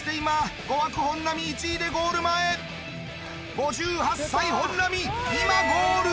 ５８歳本並今ゴール！